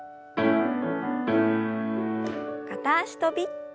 片脚跳び。